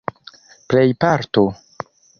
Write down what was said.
plejparto